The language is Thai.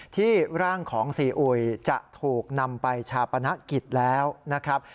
ที่ร่างของซีอุยจะถูกนำไปชาปนกิจแล้วนะครับ